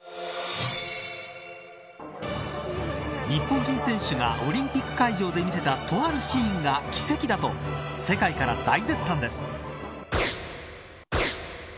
日本人選手がオリンピック会場で見せたとあるシーンが奇跡だと世界から大絶賛です。